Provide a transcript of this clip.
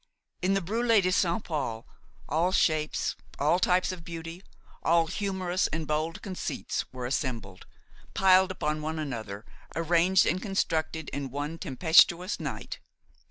In the Brulé de Saint Paul all shapes, all types of beauty, all humorous and bold conceits were assembled, piled upon one another, arranged and constructed in one tempestuous night.